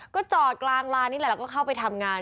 ก็จอดกลางลานนี่แหละแล้วก็เข้าไปทำงาน